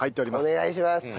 お願いします。